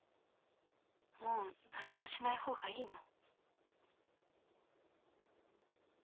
もう何もしない方がいいの？